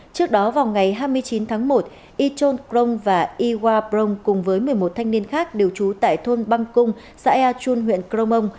trước đó vào ngày hai mươi chín tháng một y trôn crông và y hoa prông cùng với một mươi một thanh niên khác đều trú tại thôn bang cung xã ea chun huyện crô mông